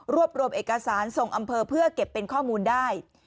รวมรวมเอกสารส่งอำเภอเพื่อเก็บเป็นข้อมูลได้